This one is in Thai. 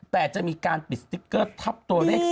แต่จะมีการปิดสติ๊กเกอร์ตัวเลข๔ตัวหลัง